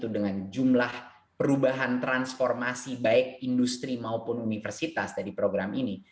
dengan jumlah perubahan transformasi baik industri maupun universitas dari program ini